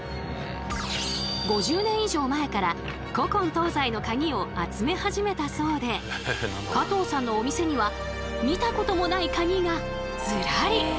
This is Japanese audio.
５０年以上前から古今東西の鍵を集め始めたそうで加藤さんのお店には見たこともない鍵がズラリ。